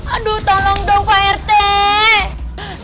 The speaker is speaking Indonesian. aduh tolong dong pak rt